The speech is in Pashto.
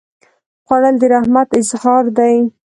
خوړل د رحمت اظهار دی